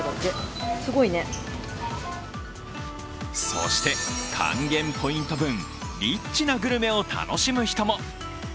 そして還元ポイント分、リッチなグルメを楽しむ人も。